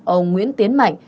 sáu ông nguyễn tiến mạnh